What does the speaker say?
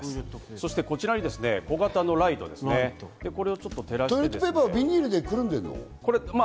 そしてこちらに小型のライトですね、トイレットペーパーをビニールでくるんでいるの？